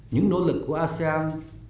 những nỗ lực của asean